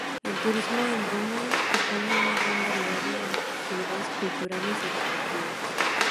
El turismo en Drôme propone una gran variedad de actividades culturales y deportivas.